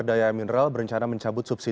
tim liputan cnn indonesia